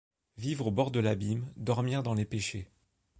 Vivre au bord de l’abîme, dormir dans les pêchers.